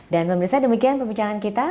dan belum terlalu lama demikian perbincangan kita